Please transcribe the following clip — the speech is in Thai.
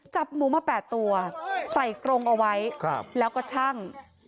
จับหมูมา๘ตัวใส่กรงเอาไว้แล้วก็ชั่ง